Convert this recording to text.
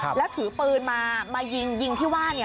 แล้วถือปืนมามายิงยิงที่ว่า